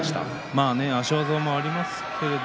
まあね足技もありますけど